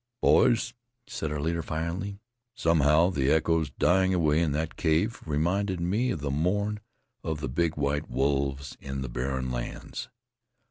"Boys," said our leader finally, "somehow the echoes dying away in that cave reminded me of the mourn of the big white wolves in the Barren Lands."